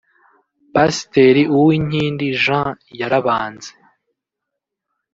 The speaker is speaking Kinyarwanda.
Pasiteri Uwinkindi Jean yarabanze